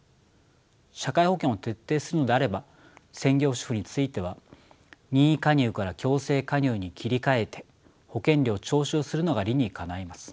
社会保険を徹底するのであれば専業主婦については任意加入から強制加入に切り換えて保険料を徴収するのが理にかないます。